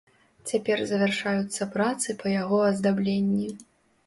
Цяпер завяршаюцца працы па яго аздабленні.